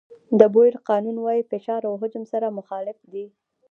د بویل قانون وایي فشار او حجم سره مخالف دي.